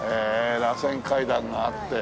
らせん階段があって。